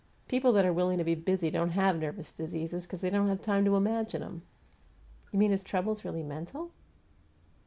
People that are willing to be busy don't have nervous diseases, because they don't have time to imagine 'em." "You mean his trouble is really mental?"